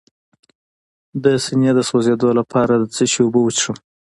د سینې د سوځیدو لپاره د څه شي اوبه وڅښم؟